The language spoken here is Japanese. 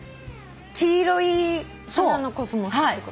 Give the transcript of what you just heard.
黄色い花のコスモスってこと？